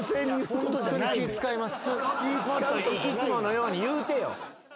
もっといつものように言うてよ。